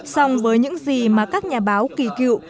song với những gì mà các nhà báo kỳ cựu